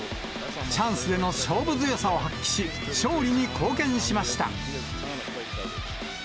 チャンスでの勝負強さを発揮し、勝利に貢献しました。